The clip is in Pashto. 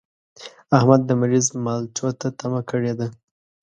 احمد د مريض مالټو ته تمه کړې ده.